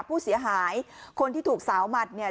ผู้เสียหายคนที่ถูกสาวหมัดเนี่ย